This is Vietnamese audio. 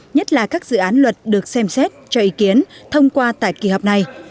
nhất là các dự án luật được xem xét cho ý kiến thông qua tại kỳ họp này